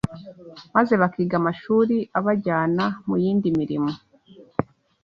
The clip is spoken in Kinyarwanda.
maze bakiga amashuri abajyana mu yindi mirimo